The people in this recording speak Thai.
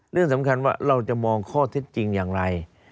เรื่องสำคัญว่าเราจะมองข้อเท็จจริงอย่างไร